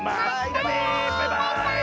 バイバーイ！